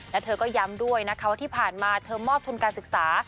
และเธอก็ย้ำด้วยนะคะว่าที่ผ่านมาเธอมอบทุนการศึกษา